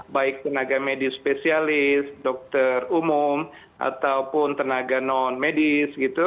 baik tenaga medis spesialis dokter umum ataupun tenaga non medis gitu